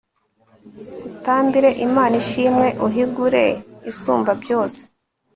utambire imana ishimwe uhigure isumbabyose